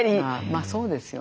まあそうですよね。